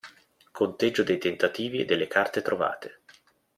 Conteggio dei tentativi e delle carte trovate.